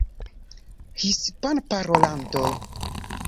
hispanparolanto